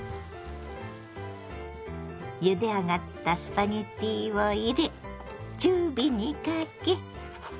ゆで上がったスパゲッティを入れ中火にかけ。